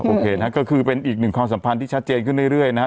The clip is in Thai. โอเคนะฮะก็คือเป็นอีกหนึ่งความสัมพันธ์ที่ชัดเจนขึ้นเรื่อยนะฮะ